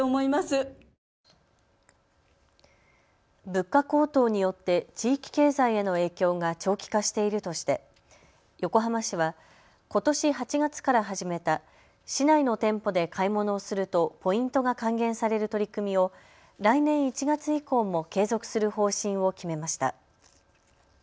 物価高騰によって地域経済への影響が長期化しているとして横浜市はことし８月から始めた市内の店舗で買い物をするとポイントが還元される取り組みを来年１月以降も継続する方針を決めました。